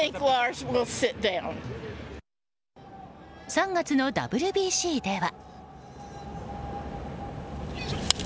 ３月のＷＢＣでは。